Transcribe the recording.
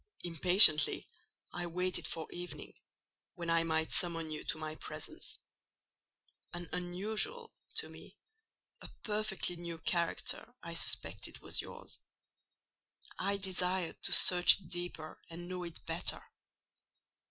"Impatiently I waited for evening, when I might summon you to my presence. An unusual—to me—a perfectly new character I suspected was yours: I desired to search it deeper and know it better.